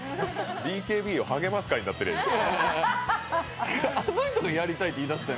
ＢＫＢを励ます会になってる。